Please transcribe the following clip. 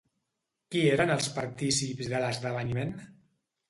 Qui eren els partícips de l'esdeveniment?